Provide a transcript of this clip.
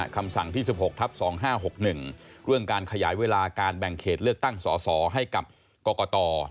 คำสั่งที่๑๖ทับ๒๕๖๑เรื่องการขยายเวลาการแบ่งเขตเลือกตั้งสอสอให้กับกรกต